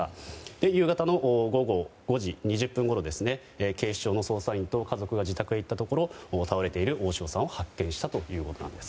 夕方の午後５時２０分ごろに警視庁の捜査員と家族が自宅に行ったところ倒れている大塩さんを発見したと。